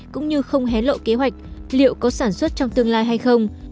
cũng như không hé lộ kế hoạch liệu có sản xuất trong tương lai hay không